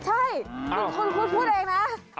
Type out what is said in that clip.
ใช่คุณพูดพูดเองนะ